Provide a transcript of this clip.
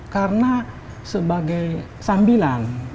karena sebagai sambilan